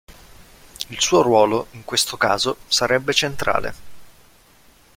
Il suo ruolo in questo caso sarebbe centrale.